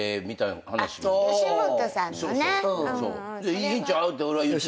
いいんちゃうって俺は言った。